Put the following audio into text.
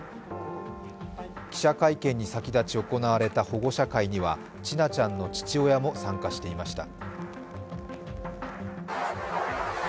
記者会見に先立ち行われた保護者会には千奈ちゃんの父親も参加していました。